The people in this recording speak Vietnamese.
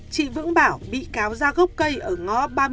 chị vững bảo bị cáo ra gốc cây ở ngõ ba mươi